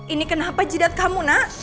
ini kenapa jidat kamu nak